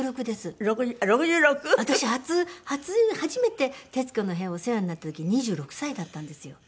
私初初めて『徹子の部屋』お世話になった時２６歳だったんですよ。